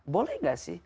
boleh gak sih